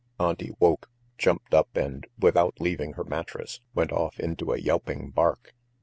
Auntie woke, jumped up and, without leaving her mattress, went off into a yelping bark.